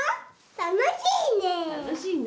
楽しいね。